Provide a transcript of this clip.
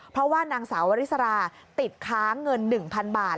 เพราะว่านางสาววริสราติดค้างเงิน๑๐๐๐บาท